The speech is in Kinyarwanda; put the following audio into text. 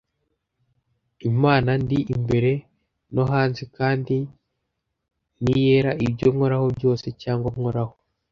Imana ndi imbere no hanze, kandi niyera ibyo nkoraho byose cyangwa nkoraho ,